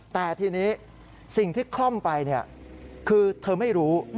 แต่ทีนี้สิ่งที่คล่อมไปคือเธอไม่รู้